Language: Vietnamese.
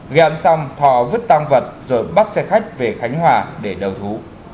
ghen xong thọ vứt tăng vật rồi bắt xe khách về khánh hòa để đầu thú